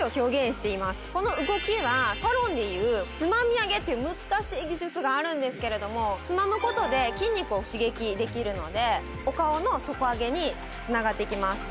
この動きはサロンでいうつまみあげっていう難しい技術があるんですけれどもつまむことで筋肉を刺激できるのでお顔の底上げにつながっていきます。